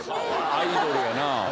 アイドルやな。